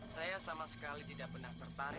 saya sama sekali tidak pernah tertarik